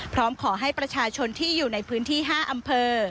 พร้อมขอให้ประชาชนที่อยู่ในพื้นที่๕อำเภอ